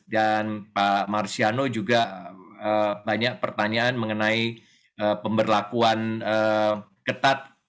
dan pak marciano juga banyak pertanyaan mengenai pemberlakuan ketat